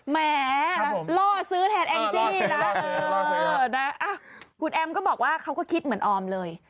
แหมล่อซื้อแทนแองจี้แล้วคุณแอมก็บอกว่าเขาก็คิดเหมือนออมเลย